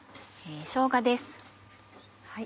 しょうがです。